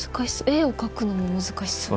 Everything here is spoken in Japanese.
絵を描くのも難しそう。